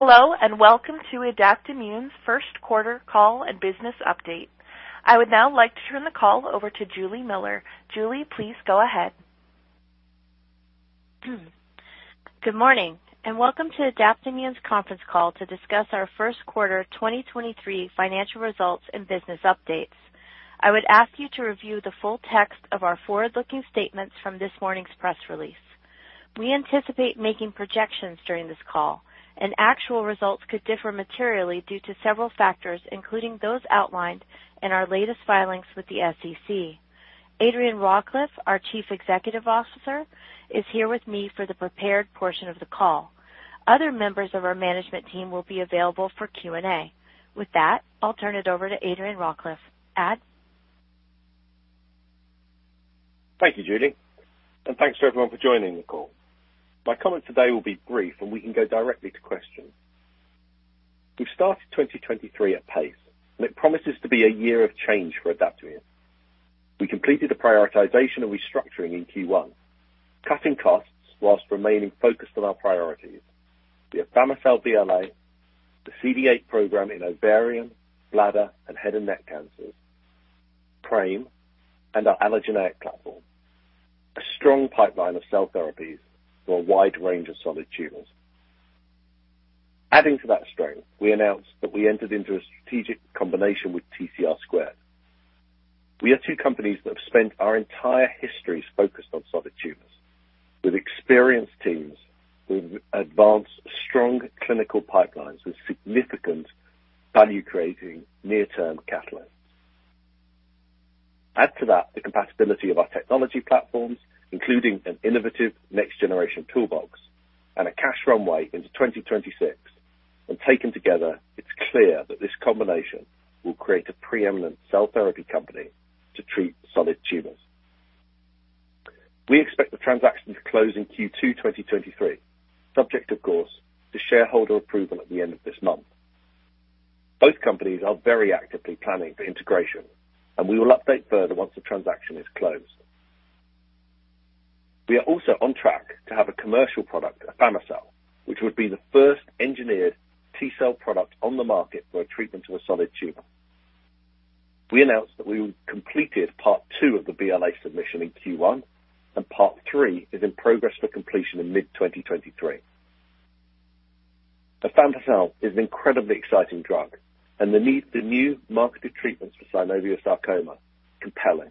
Hello, welcome to Adaptimmune's first quarter call and business update. I would now like to turn the call over to Juli Miller. Juli, please go ahead. Good morning, and welcome to Adaptimmune's conference call to discuss our first quarter, 2023 financial results and business updates. I would ask you to review the full text of our forward-looking statements from this morning's press release. We anticipate making projections during this call, actual results could differ materially due to several factors, including those outlined in our latest filings with the SEC. Adrian Rawcliffe, our Chief Executive Officer, is here with me for the prepared portion of the call. Other members of our management team will be available for Q&A. With that, I'll turn it over to Adrian Rawcliffe. Ad. Thank you, Juli. Thanks to everyone for joining the call. My comments today will be brief, and we can go directly to questions. We've started 2023 at pace, and it promises to be a year of change for Adaptimmune. We completed the prioritization and restructuring in Q1, cutting costs whilst remaining focused on our priorities. The afami-cel BLA, the CD8 program in ovarian, bladder, and head and neck cancers, PRAME, and our allogeneic platform. A strong pipeline of cell therapies for a wide range of solid tumors. Adding to that strength, we announced that we entered into a strategic combination with TCR². We are two companies that have spent our entire histories focused on solid tumors, with experienced teams who've advanced strong clinical pipelines with significant value-creating near-term catalysts. Add to that the compatibility of our technology platforms, including an innovative next-generation toolbox and a cash runway into 2026, and taken together, it's clear that this combination will create a preeminent cell therapy company to treat solid tumors. We expect the transaction to close in Q2, 2023, subject of course to shareholder approval at the end of this month. Both companies are very actively planning for integration. We will update further once the transaction is closed. We are also on track to have a commercial product, afami-cel, which would be the first engineered T-cell product on the market for a treatment of a solid tumor. We announced that we completed part two of the BLA submission in Q1. Part three is in progress for completion in mid-2023. Afami-cel is an incredibly exciting drug and the need for new marketed treatments for synovial sarcoma compelling.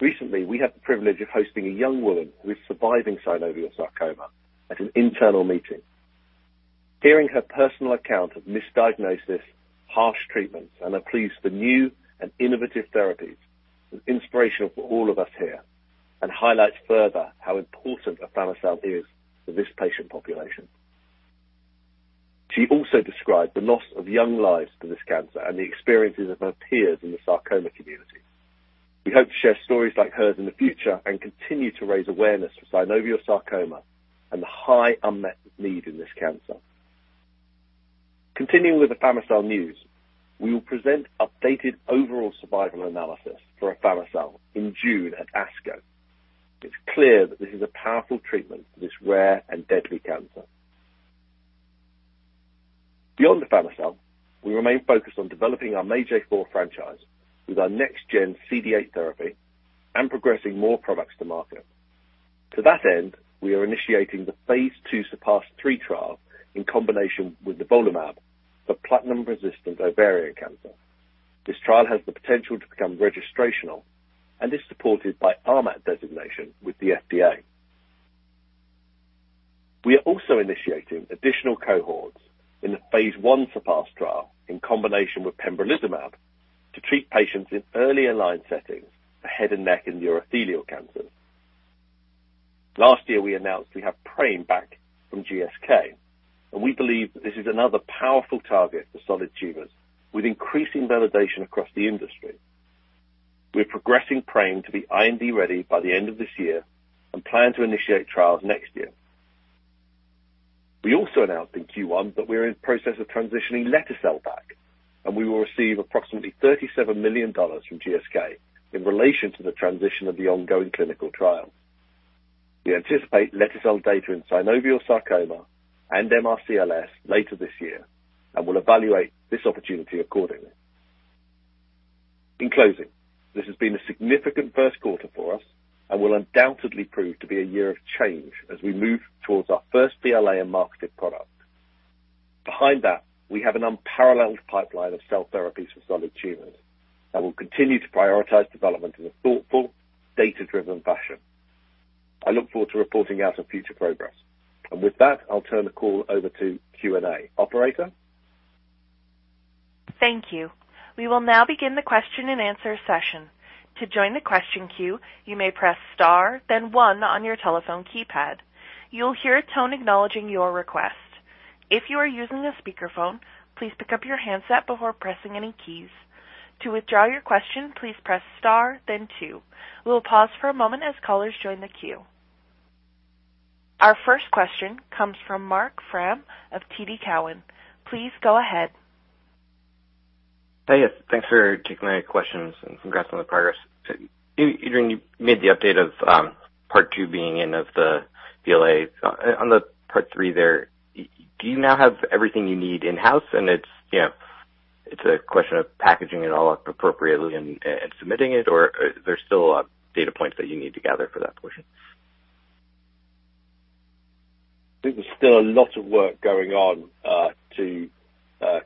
Recently, we had the privilege of hosting a young woman who is surviving synovial sarcoma at an internal meeting. Hearing her personal account of misdiagnosis, harsh treatments, and a plea for new and innovative therapies was inspirational for all of us here and highlights further how important afami-cel is for this patient population. She also described the loss of young lives to this cancer and the experiences of her peers in the sarcoma community. We hope to share stories like hers in the future and continue to raise awareness for synovial sarcoma and the high unmet need in this cancer. Continuing with afami-cel news, we will present updated overall survival analysis for afami-cel in June at ASCO. It's clear that this is a powerful treatment for this rare and deadly cancer. Beyond afami-cel, we remain focused on developing our MAGE-A4 franchise with our next-gen CD8 therapy and progressing more products to market. To that end, we are initiating the phase 2 SURPASS-3 trial in combination with nivolumab for platinum-resistant ovarian cancer. This trial has the potential to become registrational and is supported by RMAT designation with the FDA. We are also initiating additional cohorts in the phase 1 SURPASS trial in combination with pembrolizumab to treat patients in earlier line settings for head and neck and urothelial cancers. Last year, we announced we have PRAME back from GSK. We believe that this is another powerful target for solid tumors with increasing validation across the industry. We're progressing PRAME to be IND ready by the end of this year and plan to initiate trials next year. We also announced in Q1 that we're in the process of transitioning lete-cel back. We will receive approximately $37 million from GSK in relation to the transition of the ongoing clinical trial. We anticipate lete-cel data in synovial sarcoma and MRCLS later this year and will evaluate this opportunity accordingly. In closing, this has been a significant first quarter for us and will undoubtedly prove to be a year of change as we move towards our first BLA and marketed product. Behind that, we have an unparalleled pipeline of cell therapies for solid tumors that will continue to prioritize development in a thoughtful, data-driven fashion. I look forward to reporting out on future progress. With that, I'll turn the call over to Q&A. Operator? Thank you. We will now begin the question-and-answer session. To join the question queue, you may press star then one on your telephone keypad. You'll hear a tone acknowledging your request. If you are using a speakerphone, please pick up your handset before pressing any keys. To withdraw your question, please press star then two. We'll pause for a moment as callers join the queue. Our first question comes from Marc Frahm of TD Cowen. Please go ahead. Hi, yes. Thanks for taking my questions, and congrats on the progress. Adrian, you made the update of, part two being in of the BLA. On the part three there, do you now have everything you need in-house, and it's, you know, it's a question of packaging it all up appropriately and submitting it? Or are there still data points that you need to gather for that portion? I think there's still a lot of work going on, to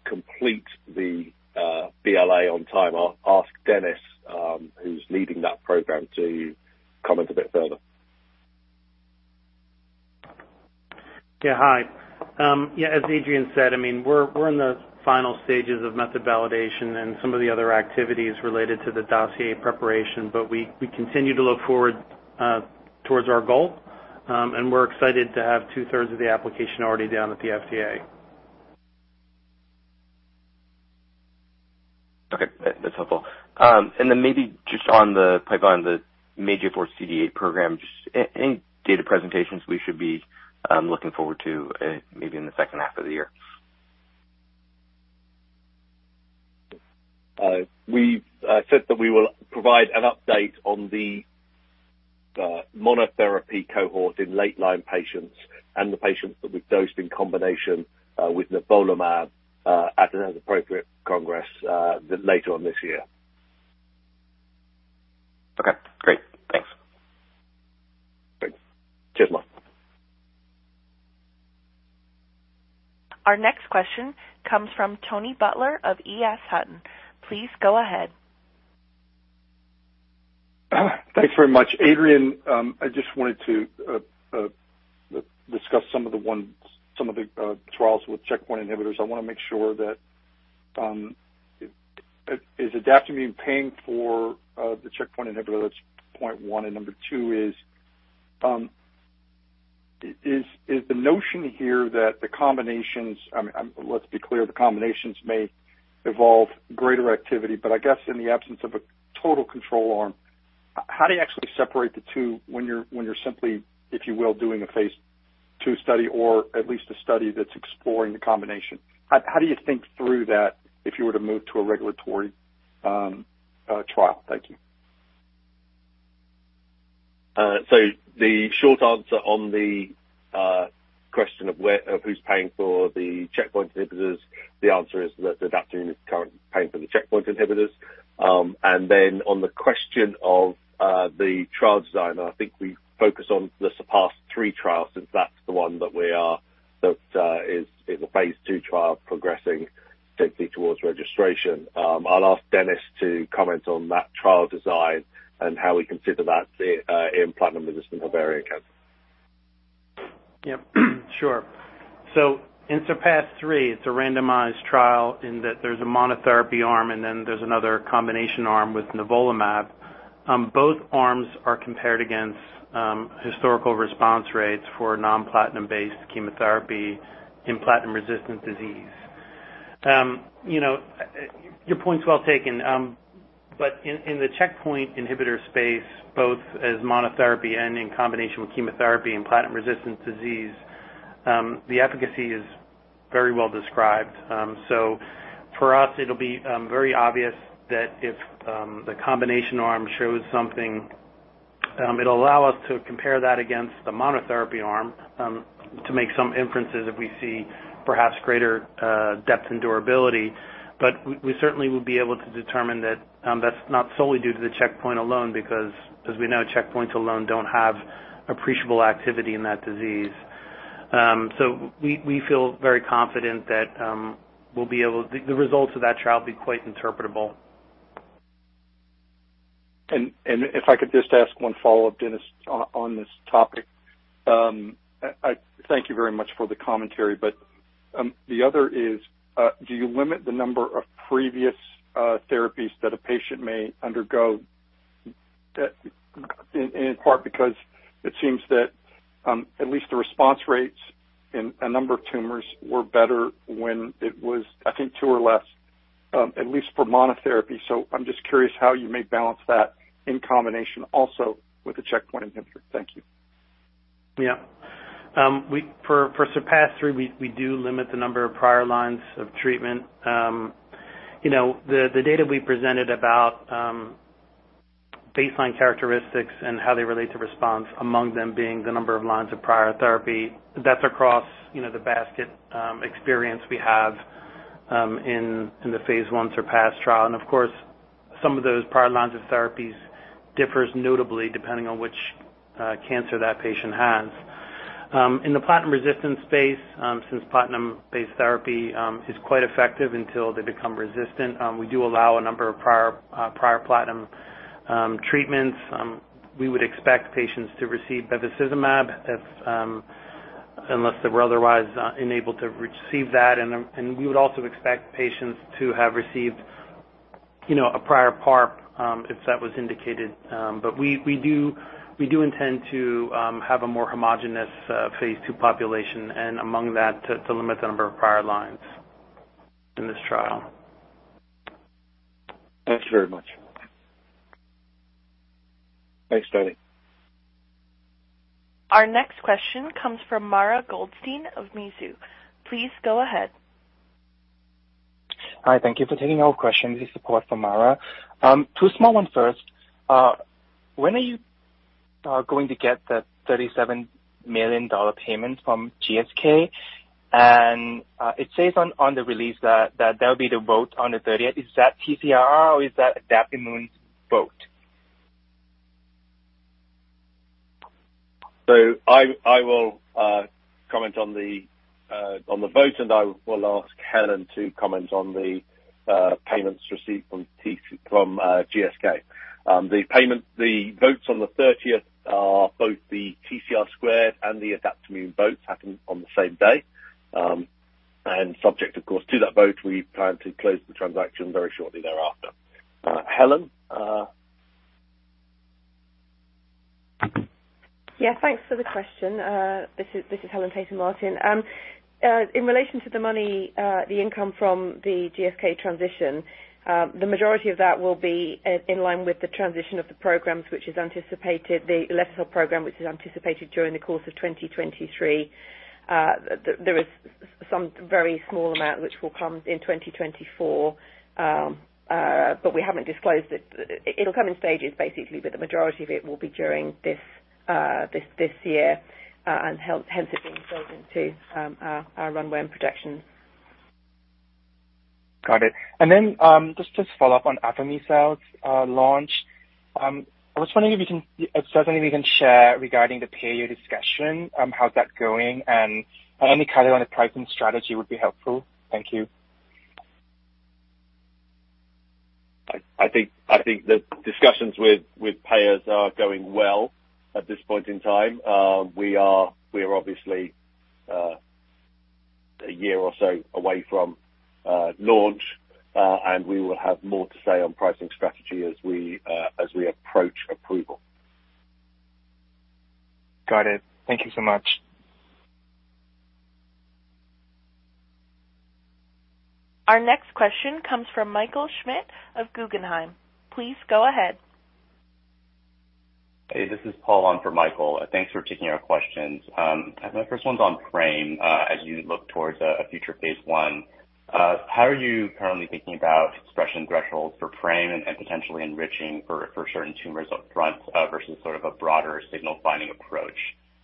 complete the BLA on time. I'll ask Dennis, who's leading that program, to comment a bit further. Yeah. Hi. Yeah, as Adrian said, I mean, we're in the final stages of method validation and some of the other activities related to the dossier preparation. We continue to look forward towards our goal. We're excited to have 2/3 of the application already down at the FDA. Okay. That's helpful. Maybe just on the pipeline, the ADP-A2M4CD8 program, just any data presentations we should be looking forward to, maybe in the second half of the year? We said that we will provide an update on the monotherapy cohort in late-line patients and the patients that we've dosed in combination with nivolumab at another appropriate congress later on this year. Okay, great. Thanks. Thanks. Our next question comes from Tony Butler of EF Hutton. Please go ahead. Thanks very much. Adrian, I just wanted to discuss some of the trials with checkpoint inhibitors. I want to make sure that is Adaptimmune paying for the checkpoint inhibitor? That's point one. Number two is the notion here that the combinations. I mean, let's be clear, the combinations may evolve greater activity, but I guess in the absence of a total control arm, how do you actually separate the two when you're, when you're simply, if you will, doing a phase two study or at least a study that's exploring the combination? How do you think through that if you were to move to a regulatory trial? Thank you. The short answer on the question of where, of who's paying for the checkpoint inhibitors, the answer is that Adaptimmune is currently paying for the checkpoint inhibitors. On the question of the trial design, I think we focus on the SURPASS-3 trial since that's the one that we are, that is a phase 2 trial progressing simply towards registration. I'll ask Dennis to comment on that trial design and how we consider that in platinum-resistant ovarian cancer. Sure. In SURPASS-3, it's a randomized trial in that there's a monotherapy arm, and then there's another combination arm with nivolumab. Both arms are compared against historical response rates for non-platinum-based chemotherapy in platinum-resistant disease. You know, your point's well taken. In the checkpoint inhibitor space, both as monotherapy and in combination with chemotherapy and platinum-resistant disease, the efficacy is very well described. For us, it'll be very obvious that if the combination arm shows something, it'll allow us to compare that against the monotheraphy arm to make some inferences if we see perhaps greater depth and durability. We certainly will be able to determine that that's not solely due to the checkpoint alone because as we know, checkpoints alone don't have appreciable activity in that disease. We feel very confident that the results of that trial will be quite interpretable. If I could just ask one follow-up, Dennis, on this topic. I thank you very much for the commentary, but the other is, do you limit the number of previous therapies that a patient may undergo? That, in part because it seems that, at least the response rates in a number of tumors were better when it was, I think, two or less, at least for monotherapy. I'm just curious how you may balance that in combination also with the checkpoint inhibitor. Thank you. Yeah. For SURPASS-3, we do limit the number of prior lines of treatment. You know, the data we presented about baseline characteristics and how they relate to response, among them being the number of lines of prior therapy, that's across, you know, the basket experience we have in the phase 1 SURPASS trial. Of course, some of those prior lines of therapies differs notably depending on which cancer that patient has. In the platinum-resistant space, since platinum-based therapy is quite effective until they become resistant, we do allow a number of prior prior platinum treatments. We would expect patients to receive bevacizumab if unless they were otherwise unable to receive that. We would also expect patients to have received, you know, a prior PARP if that was indicated. We do intend to have a more homogenous phase 2 population and among that, to limit the number of prior lines in this trial. Thanks very much. Thanks, Tony. Our next question comes from Mara Goldstein of Mizu. Please go ahead. Hi. Thank you for taking our questions. This is Paul from Mara. Two small ones first. When are you going to get that $37 million payment from GSK? It says on the release that there'll be the vote on the 30th. Is that TCR or is that Adaptimmune's vote? I will comment on the vote, and I will ask Helen to comment on the payments received from GSK. The votes on the 30th are both the TCR2 and the Adaptimmune votes happen on the same day. Subject, of course, to that vote, we plan to close the transaction very shortly thereafter. Helen, Yeah. Thanks for the question. This is Helen Tayton-Martin. In relation to the money, the income from the GSK transition, the majority of that will be in line with the transition of the programs, which is anticipated, the lete-cel program, which is anticipated during the course of 2023. There is some very small amount which will come in 2024, but we haven't disclosed it. It'll come in stages, basically, but the majority of it will be during this year, and hence it being built into our runway and projections. Got it. Just to follow up on afami-cel launch. I was wondering if you can certainly we can share regarding the payor discussion, how that's going and any color on the pricing strategy would be helpful. Thank you. I think the discussions with payers are going well at this point in time. We are obviously a year or so away from launch, and we will have more to say on pricing strategy as we approach approval. Got it. Thank you so much. Our next question comes from Michael Schmidt of Guggenheim. Please go ahead. Hey, this is Paul on for Michael. Thanks for taking our questions. My first one's on PRAME. As you look towards a future phase 1, how are you currently thinking about expression thresholds for PRAME and potentially enriching for certain tumors upfront versus sort of a broader signal finding approach?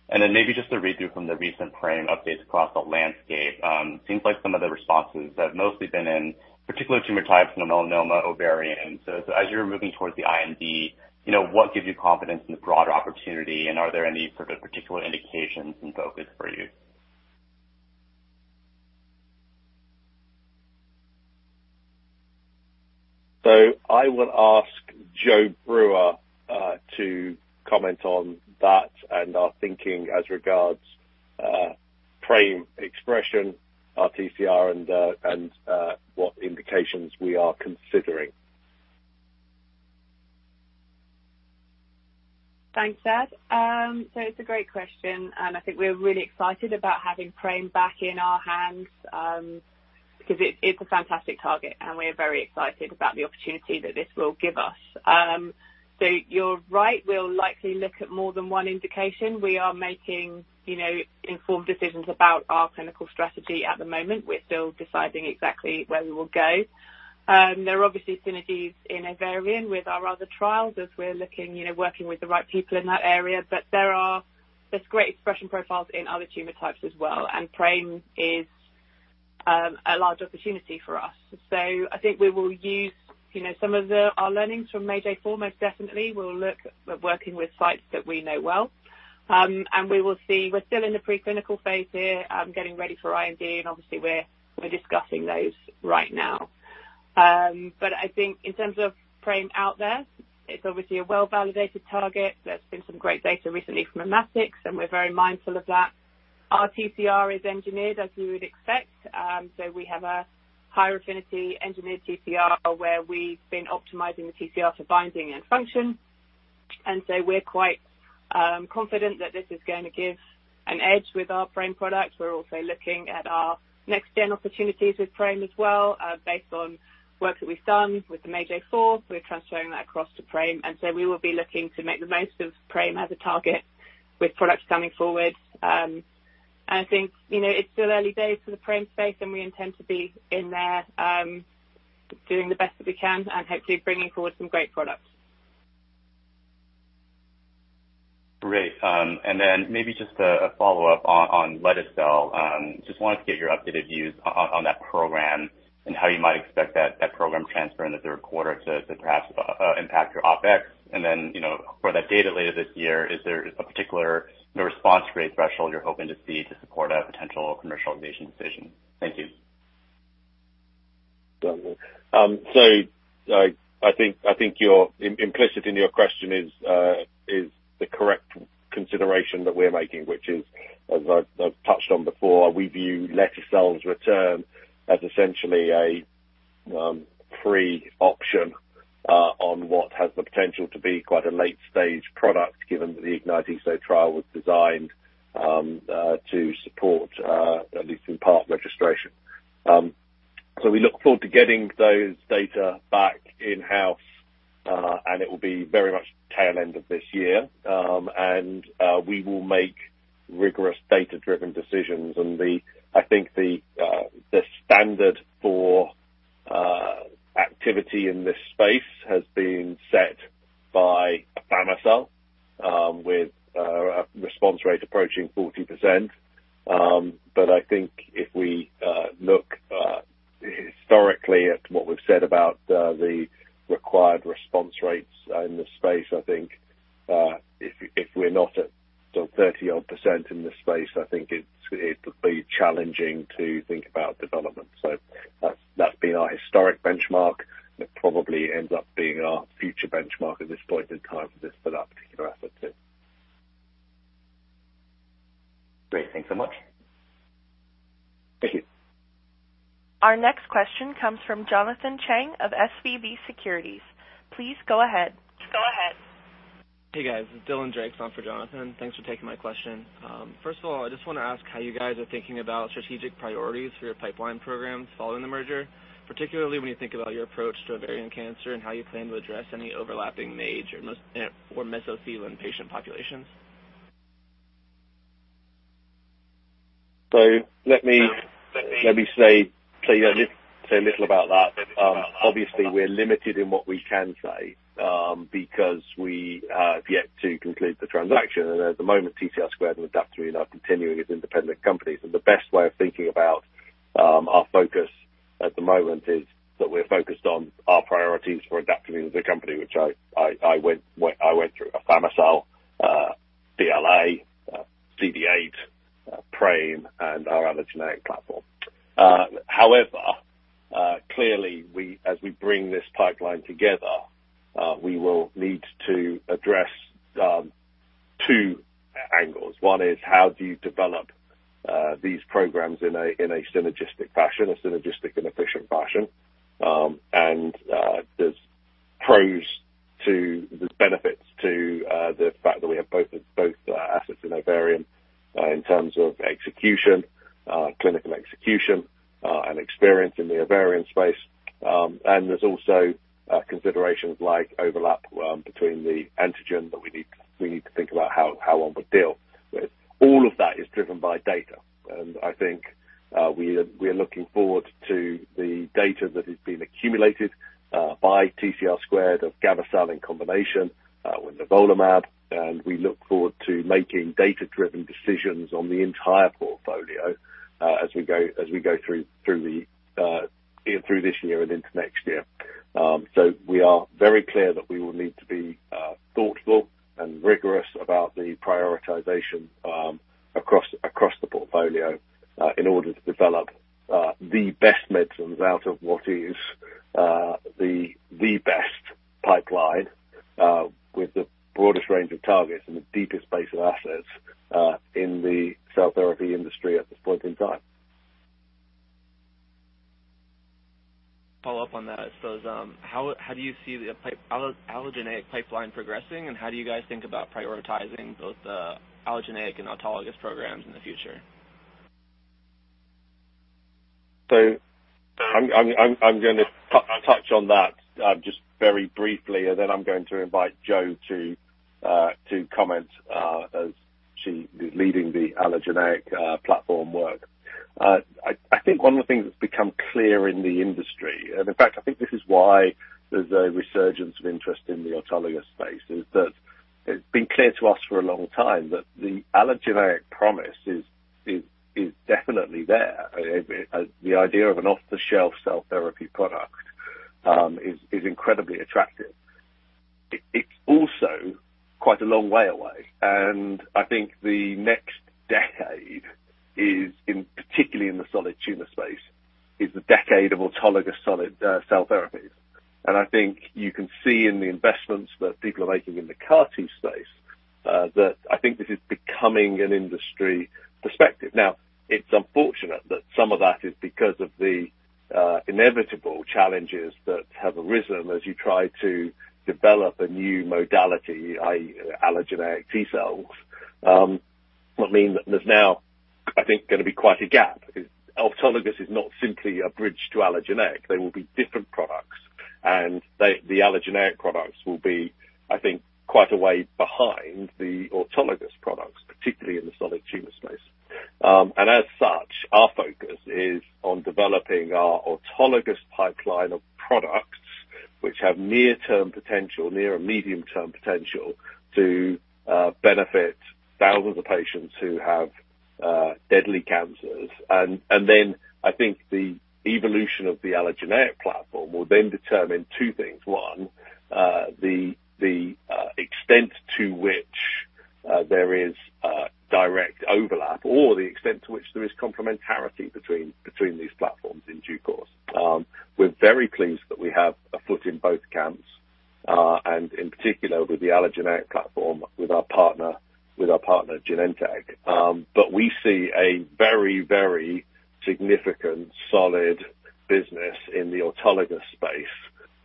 Maybe just a read through from the recent PRAME updates across the landscape. Seems like some of the responses have mostly been in particular tumor types, melanoma, ovarian. As you're moving towards the IND, you know, what gives you confidence in the broader opportunity? Are there any sort of particular indications and focus for you? I will ask Jo Brewer to comment on that and our thinking as regards PRAME expression, our TCR and what indications we are considering. Thanks, Ad. It's a great question, and I think we're really excited about having PRAME back in our hands, because it's a fantastic target, and we're very excited about the opportunity that this will give us. You're right. We'll likely look at more than one indication. We are making, you know, informed decisions about our clinical strategy at the moment. We're still deciding exactly where we will go. There are obviously synergies in ovarian with our other trials as we're looking, you know, working with the right people in that area. There are, there's great expression profiles in other tumor types as well, and PRAME is a large opportunity for us. I think we will use, you know, some of our learnings from MAGE-A4 most definitely. We'll look at working with sites that we know well. We will see. We're still in the pre-clinical phase here, getting ready for IND. Obviously, we're discussing those right now. I think in terms of PRAME out there, it's obviously a well-validated target. There's been some great data recently from Immatics, and we're very mindful of that. Our TCR is engineered as you would expect. We have a higher affinity engineered TCR where we've been optimizing the TCR for binding and function. We're quite confident that this is gonna give an edge with our PRAME product. We're also looking at our next-gen opportunities with PRAME as well, based on work we've done with the MAGE-A4. We're transferring that across to PRAME. We will be looking to make the most of PRAME as a target with products coming forward. I think, you know, it's still early days for the PRAME space and we intend to be in there, doing the best that we can and hopefully bringing forward some great products. Great. Maybe just a follow-up on lete-cel. Just wanted to get your updated views on that program and how you might expect that program to transfer in the third quarter to perhaps impact your OpEx. You know, for that data later this year, is there a particular response rate threshold you're hoping to see to support a potential commercialization decision? Thank you. I think your-- implicit in your question is the correct consideration that we're making, which is, as I've touched on before, we view lete-cel's return as essentially a pre-option on what has the potential to be quite a late stage product. Indeed, I think that trial was designed to support at least in part registration. We look forward to getting those data back in-house, and it will be very much tail end of this year. We will make rigorous data-driven decisions. The, I think the standard for activity in this space has been set by afami-cel, with a response rate approaching 40%. I think if we look historically at what we've said about the required response rates in this space, I think if we're not at, you know, 30% in this space, I think it's, it'd be challenging to think about development. That's been our historic benchmark, and it probably ends up being our future benchmark at this point in time for this, for that particular asset too. Great. Thanks so much. Thank you. Our next question comes from Jonathan Cheng of SVB Securities. Please go ahead. Go ahead. Hey, guys. This is Dylan Drake on for Jonathan. Thanks for taking my question. First of all, I just wanna ask how you guys are thinking about strategic priorities for your pipeline programs following the merger, particularly when you think about your approach to ovarian cancer and how you plan to address any overlapping major mesothelial patient populations. Let me. Let me say a little about that. Obviously, we're limited in what we can say because we have yet to conclude the transaction. At the moment, TCR² and Adaptimmune are continuing as independent companies. The best way of thinking about our focus at the moment is that we're focused on our priorities for Adaptimmune as a company, which I went through afami-cel, DLA, CD8, PRAME, and our allogeneic platform. However, clearly, we, as we bring this pipeline together, we will need to address two angles. One is how do you develop these programs in a synergistic fashion, a synergistic and efficient fashion. There's pros to... There's benefits to the fact that we have both assets in ovarian in terms of execution, clinical execution, and experience in the ovarian space. There's also considerations like overlap between the antigen that we need to think about how one would deal with. All of that is driven by data. I think we are looking forward to the data that has been accumulated by TCR² of gavo-cel combination with nivolumab, and we look forward to making data-driven decisions on the entire portfolio as we go through this year and into next year. We are very clear that we will need to be thoughtful and rigorous about the prioritization across the portfolio in order to develop the best medicines out of what is the best pipeline with the broadest range of targets and the deepest base of assets in the cell theraphy industry at this point in time. Follow up on that. How do you see the allogeneic pipeline progressing, and how do you guys think about prioritizing both the allogeneic and autologous programs in the future? I'm gonna touch on that just very briefly, then I'm going to invite Jo to comment as she is leading the allogeneic platform work. I think one of the things that's become clear in the industry, in fact, I think this is why there's a resurgence of interest in the autologous space, is that it's been clear to us for a long time that the allogeneic promise is definitely there. The idea of an off-the-shelf cell theraphy product is incredibly attractive. It's also quite a long way away, I think the next decade, in particular in the solid tumor space, is the decade of autologous solid cell therapies. I think you can see in the investments that people are making in the CAR-T space, that I think this is becoming an industry perspective. It's unfortunate that some of that is because of the inevitable challenges that have arisen as you try to develop a new modality, i.e., allogeneic T cells. What I mean, there's now, I think, gonna be quite a gap. Autologous is not simply a bridge to allogeneic. They will be different products, and the allogeneic products will be, I think, quite a way behind the autologous products, particularly in the solid tumor space. As such, our focus is on developing our autologous pipeline of products which have near-term potential, near or medium-term potential to benefit thousands of patients who have deadly cancers. Then I think the evolution of the allogeneic platform will then determine two things. One, the extent to which there is direct overlap or the extent to which there is complementarity between these platforms in due course. We're very pleased that we have a foot in both camps, and in particular with the allogeneic platform with our partner, Genentech. We see a very, very significant solid business in the autologous space.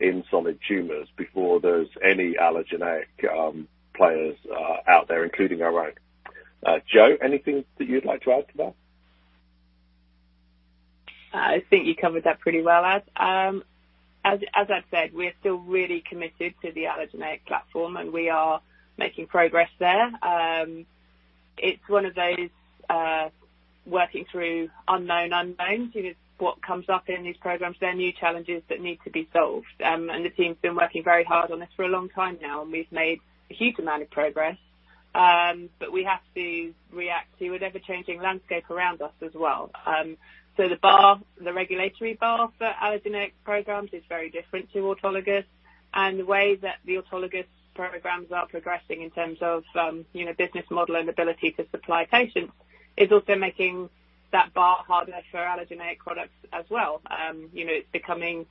In solid tumors before there's any allogeneic players out there, including our own. Jo, anything that you'd like to add to that? I think you covered that pretty well, Ad. As Ad said, we're still really committed to the allogeneic platform, and we are making progress there. It's one of those working through unknown unknowns. You know, what comes up in these programs, they're new challenges that need to be solved. The team's been working very hard on this for a long time now, and we've made a huge amount of progress. We have to react to an ever-changing landscape around us as well. The regulatory bar for allogeneic programs is very different to autologous. The way that the autologous programs are progressing in terms of, you know, business model and ability to supply patients is also making that bar harder for allogeneic products as well. You know, it's becoming.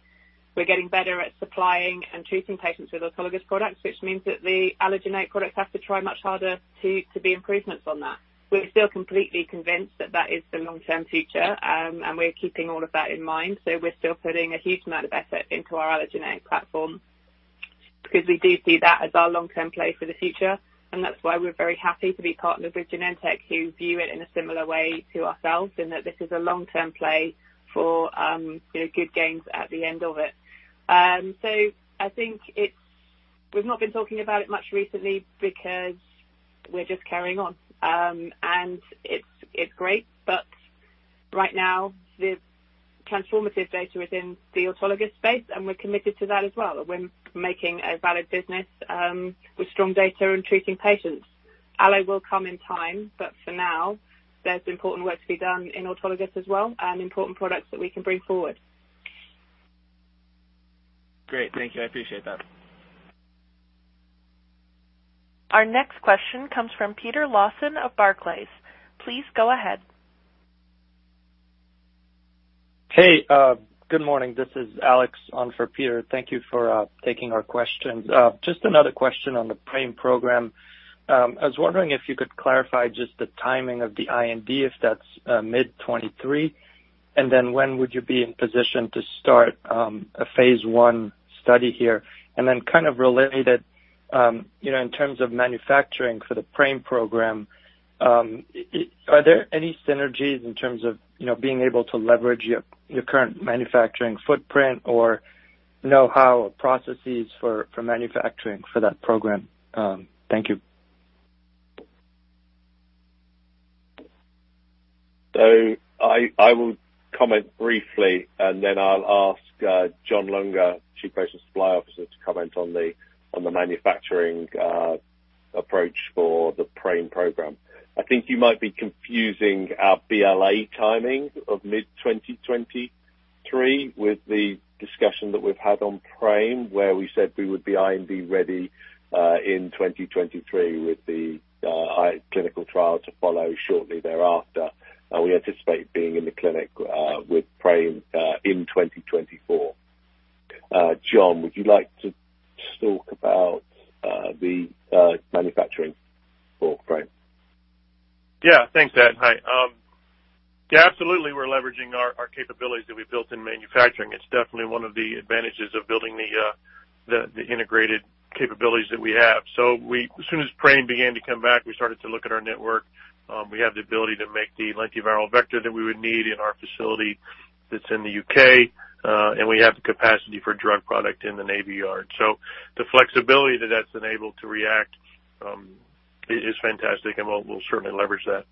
We're getting better at supplying and treating patients with autologous products, which means that the allogeneic products have to try much harder to be improvements on that. We're still completely convinced that that is the long-term future, and we're keeping all of that in mind. We're still putting a huge amount of effort into our allogeneic platform because we do see that as our long-term play for the future. That's why we're very happy to be partners with Genentech, who view it in a similar way to ourselves, in that this is a long-term play for good gains at the end of it. I think we've not been talking about it much recently because we're just carrying on. It's, it's great, but right now the transformative data is in the autologous space, and we're commited to that as well. We're making a valid business, with strong data and treating patients. Allo will come in time, but for now, there's important work to be done in autologous as well. Important products that we can bring forward. Great. Thank you. I appreciate that. Our next question comes from Peter Lawson of Barclays. Please go ahead. Hey, good morning. This is Alex on for Peter. Thank you for taking our questions. Just another question on the PRAME program. I was wondering if you could clarify just the timing of the IND, if that's mid 2023. When would you be in position to start a phase 1 study here? Kind of related, you know, in terms of manufacturing for the PRAME program, are there any synergies in terms of, you know, being able to leverage your current manufacturing footprint or know-how processes for manufacturing for that program? Thank you. I will comment briefly, and then I'll ask John Lunger, Chief Patient Supply Officer, to comment on the manufacturing approach for the PRAME program. I think you might be confusing our BLA timing of mid 2023 with the discussion that we've had on PRAME, where we said we would be IND-ready in 2023 with the clinical trial to follow shortly thereafter. We anticipate being in the clinic with PRAME in 2024. John, would you like to talk about the manufacturing for PRAME? Yeah. Thanks, Ad. Hi. Yeah, absolutely, we're leveraging our capabilities that we built in manufacturing. It's definitely one of the advantages of building the integrated capabilities that we have. As soon as PRAME began to come back, we started to look at our network. We have the ability to make the lentiviral vector that we would need in our facility that's in the U.K., and we have the capacity for drug product in the Navy Yard. The flexibility that that's enabled to react is fantastic, and we'll certainly leverage that.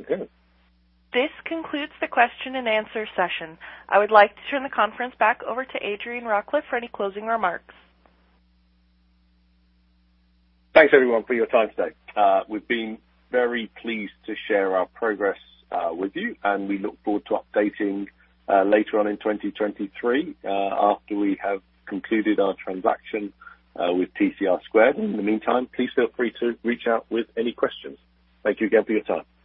Okay. This concludes the question and answer session. I would like to turn the conference back over to Adrian Rawcliffe for any closing remarks. Thanks everyone for your time today. We've been very pleased to share our progress with you, we look forward to updating later on in 2023 after we have concluded our transaction with TCR². In the meantime, please feel free to reach out with any questions. Thank you again for your time. Bye.